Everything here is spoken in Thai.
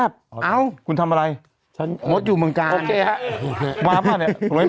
ผมอยู่เมืองจาน